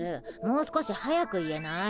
もう少し速く言えない？